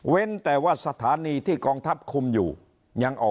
แต่ว่าสถานีที่กองทัพคุมอยู่ยังออก